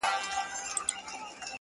زه د ساقي تر احترامه پوري پاته نه سوم!